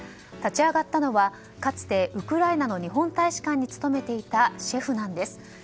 立ち上がったのはかつてウクライナの日本大使館に勤めていたシェフなんです。